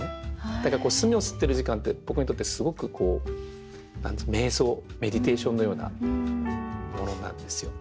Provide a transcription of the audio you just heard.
だから墨をすってる時間って僕にとってすごくこうめい想メディテーションのようなものなんですよ。